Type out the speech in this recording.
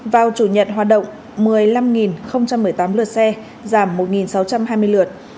vào chủ nhận hoạt động một mươi năm một mươi tám lượt xe giảm một sáu trăm hai mươi lượt